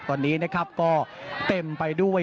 ตอนนี้ก็เต็มไปด้วย